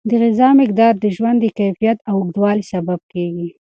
د غذا مقدار د ژوند د کیفیت او اوږدوالي سبب کیږي.